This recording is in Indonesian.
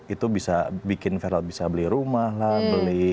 itu bisa bikin feral bisa beli rumah lah beli